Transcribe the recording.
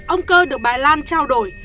ông cơ được bà lan trao đổi